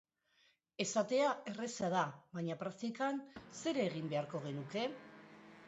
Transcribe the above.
Esatea erraza da, baina praktikan, zer egin beharko genuke?